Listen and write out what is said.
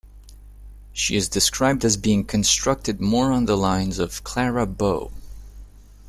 She is described as being constructed more on the lines of Clara Bow.